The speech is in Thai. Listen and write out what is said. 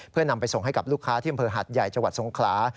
เพื่อนำไปส่งให้กับลูกค้าที่อำเภอหัดใหญ่จังหวัดสงขลา